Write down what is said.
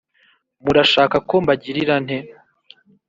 Murashaka ko mbagirira nte